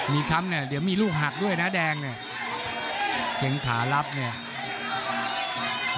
มีค้ำเนี่ยเดี๋ยวมีลูกหักด้วยนะแดงเนี่ยเกงขารับเนี่ย